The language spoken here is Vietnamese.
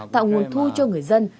tạo nguồn thu cho người dân